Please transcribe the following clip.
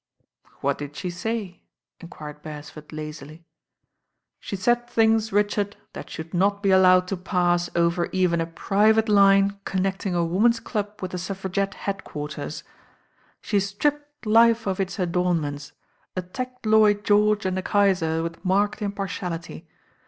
"What did she say?" enquired Beresford lazily. "She said things, Richard, that should not be allowed to pass over even a private line connecting a woman's club with the Suffragette Headquarters. She stripped life of its adornments, attacked Lloyd George and the Kaiser with marked impartiality.